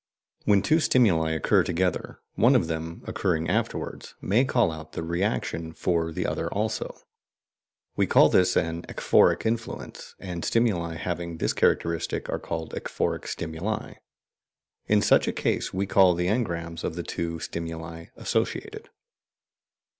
When two stimuli occur together, one of them, occurring afterwards, may call out the reaction for the other also. We call this an "ekphoric influence," and stimuli having this character are called "ekphoric stimuli." In such a case we call the engrams of the two stimuli "associated."